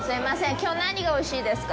きょう何がおいしいですか。